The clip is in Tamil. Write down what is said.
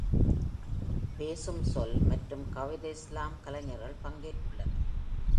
பேசும் சொல் மற்றும் கவிதை ஸ்லாம் கலைஞர்கள் பங்கேற்றுள்ளனர்.